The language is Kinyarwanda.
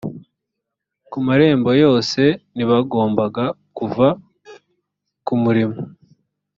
ku marembo yose ntibagombaga kuva ku murimo